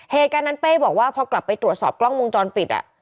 เหตุการณ์นั้นเป้บอกว่าพอกลับไปตรวจสอบกล้องวงจรปิด